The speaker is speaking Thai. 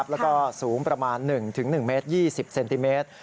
แล้วก็สูงประมาณ๑๑เมตร๒๐เซนติเมตร